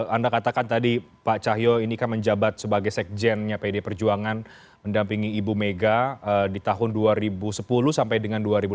anda katakan tadi pak cahyo ini kan menjabat sebagai sekjennya pd perjuangan mendampingi ibu mega di tahun dua ribu sepuluh sampai dengan dua ribu lima belas